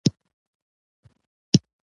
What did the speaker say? ایا تاسو زما سره نږدې یو فلم ومومئ؟